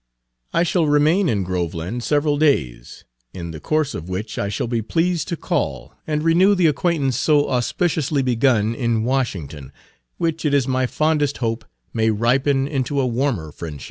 I shall remain in Groveland several days, in the course of which I shall be pleased to call, and renew the acquaintance so auspiciously begun in Washington, which it is my fondest hope may ripen into a warmer friendship.